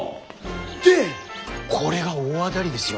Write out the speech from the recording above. でこれが大当だりですよ。